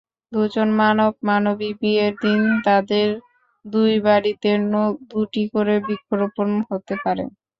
দুজন মানব-মানবী বিয়ের দিন তাদের দুই বাড়িতে দুটি করে বৃক্ষরোপণ হতে পারে।